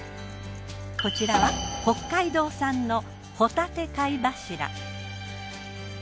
こちらは北海道産のほたて貝柱。